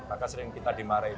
maka sering kita dimarahin